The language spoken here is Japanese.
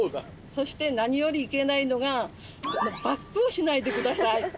そして何よりいけないのがバックをしないで下さい。